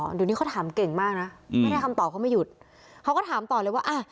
เดี๋ยวนี้เขาถามเก่งมากนะไม่ได้คำตอบเขาไม่หยุดเขาก็ถามต่อเลยว่าอ่ะ